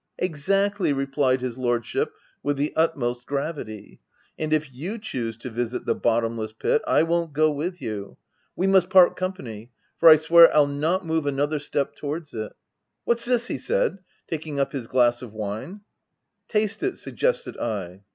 "' Exactly !' replied his lordship, with the utmost gravity. c And if you choose to visit the bottomless pit, I won't go with you — we must part company, for I swear I'll not move another step towards it !— What's this V he said, taking up his glass of wine, "? Taste it/ suggested I.